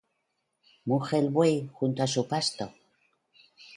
¿Muge el buey junto á su pasto?